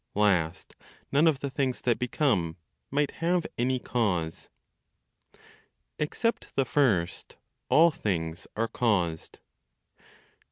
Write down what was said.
Last, none of the things that become might have any cause. EXCEPT THE FIRST, ALL THINGS ARE CAUSED.